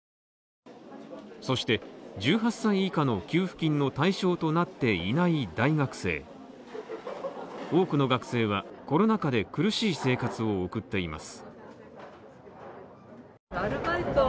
そして１８歳以下の給付金の対象となっていない大学生多くの学生はコロナ禍で苦しい生活を送っています。